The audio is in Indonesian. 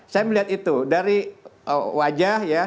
saya melihat itu dari wajah ya